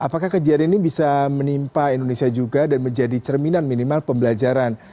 apakah kejadian ini bisa menimpa indonesia juga dan menjadi cerminan minimal pembelajaran